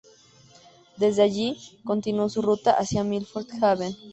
Desde allí, continuó su ruta hacia Milford Haven.